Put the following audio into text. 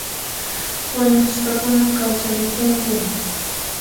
Wañusqakuna kawsarimpunku